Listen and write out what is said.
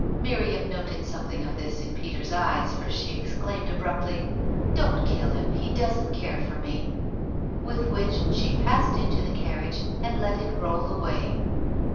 Miriam noted something of this in Peter's eyes, for she exclaimed abruptly, "Don't kill him he doesn't care for me!" With which she passed into the carriage and let it roll away.